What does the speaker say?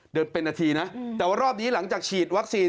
เดินเป็นนาทีนะแต่ว่ารอบนี้หลังจากฉีดวัคซีน